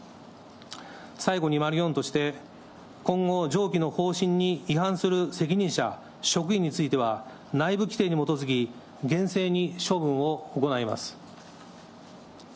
最後にまる４として、今後、上記の方針に違反する責任者、職員については、内部規定に基づき、厳正に処分を行います。